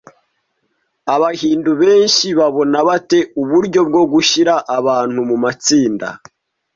Abahindu benshi babona bate uburyo bwo gushyira abantu mu matsinda